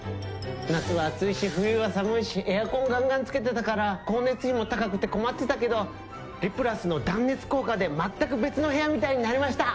夏は暑いし冬は寒いしエアコンガンガンつけてたから光熱費も高くて困ってたけど「リプラス」の断熱効果で全く別の部屋みたいになりました！